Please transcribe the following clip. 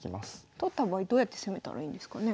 取った場合どうやって攻めたらいいんですかね。